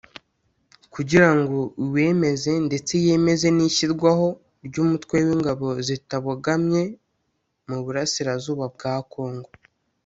kugira ngo iwemeze ndetse yemeze n’ishyirwaho ry’umutwe w’ingabo zitabogamye mu Burasirazuba bwa Congo